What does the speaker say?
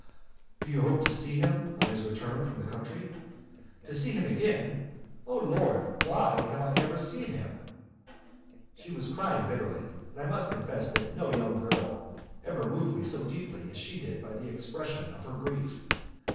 "Do you hope to see him on his return from the country?" "To see him again! Oh, Lord! why have I ever seen him?" She was crying bitterly, and I must confess that no young girl ever moved me so deeply as she did by the expression of her grief.